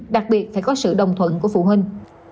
đặc biệt phải có sự đồng thuận của phụ huynh